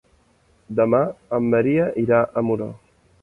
Demà en Maria irà a Muro.